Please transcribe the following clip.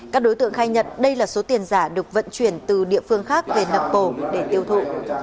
các đối tượng khai nhận đây là số tiền giả được vận chuyển từ địa phương khác về nậm pồ để tiêu thụ